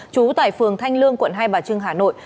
trú tại phường thanh lương quận hai bà trưng hà nội